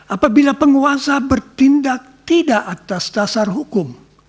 apabila penguasa bertindak tidak atas dasar hukum